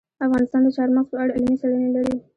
افغانستان د چار مغز په اړه علمي څېړنې لري.